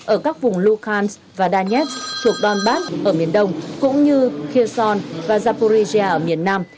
ở các vùng lukansk và danetsk thuộc donbass ở miền đông cũng như kherson và zaporizhia ở miền nam